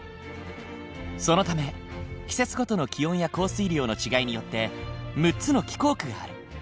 そのため季節ごとの気温や降水量の違いによって６つの気候区がある。